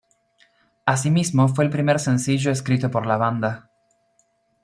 Asimismo, fue el primer sencillo escrito por la banda.